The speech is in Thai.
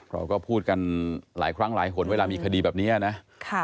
เราก็พูดกันหลายครั้งหลายหนเวลามีคดีแบบนี้นะ